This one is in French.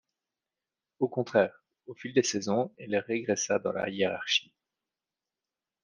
Au contraire, au fil des saisons, il régressa dans la hiérarchie.